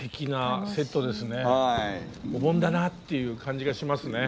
お盆だなっていう感じがしますね。